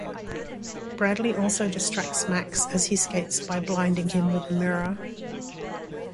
Bradley also distracts Max as he skates by blinding him with a mirror.